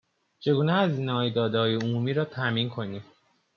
چگونه هزینههای دادههای عمومی را تامین کنیم